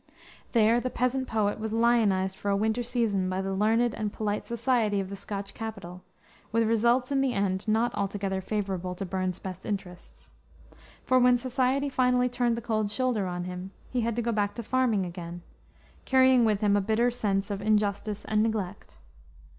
There the peasant poet was lionized for a winter season by the learned and polite society of the Scotch capital, with results in the end not altogether favorable to Burns's best interests. For when society finally turned the cold shoulder on him, he had to go back to farming again, carrying with him a bitter sense of injustice and neglect.